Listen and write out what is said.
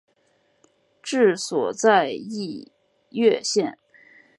治所在溢乐县。